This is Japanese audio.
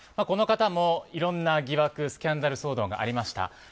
この方もいろんな疑惑スキャンダル騒動がありました。